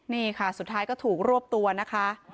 นี่ค่ะสุดท้ายก็ถูกรวบตัวนะคะ